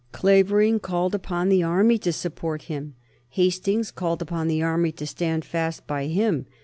Clavering called upon the army to support him. Hastings called upon the army to stand fast by him.